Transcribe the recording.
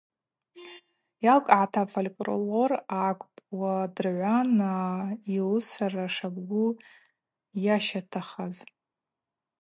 Йалкӏгӏата афольклор акӏвпӏ уадыргӏвана йуысара шабгу йащатахаз.